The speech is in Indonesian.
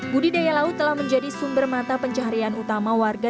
budidaya laut telah menjadi sumber mata pencaharian utama warga